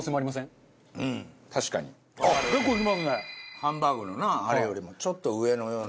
ハンバーグのなあれよりもちょっと上のような。